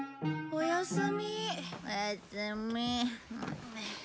おやすみ。